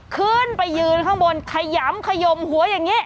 ขึ้นไปยืนข้างบนขยำขยมหัวอย่างนี้